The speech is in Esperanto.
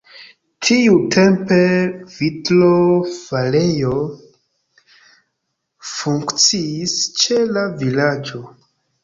Tiutempe vitrofarejo funkciis ĉe la vilaĝo.